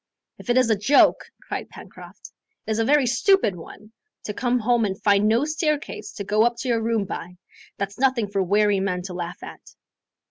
"If it is a joke," cried Pencroft, "it is a very stupid one! To come home and find no staircase to go up to your room by that's nothing for weary men to laugh at."